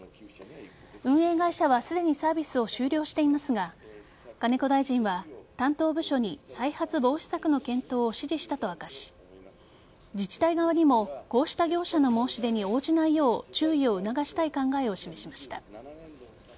運営会社はすでにサービスを終了していますが金子大臣は担当部署に再発防止策の検討を指示したと明かし自治体側にもこうした業者の申し出に応じないよう注意を促したい考えを示しました。